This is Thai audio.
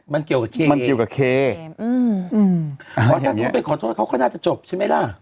มันเกี่ยวกับเคมันเกี่ยวกับเคอืมอืมอ่าอย่างเงี้ยถ้าเป็นขอโทษเขาก็น่าจะจบใช่ไหมล่ะ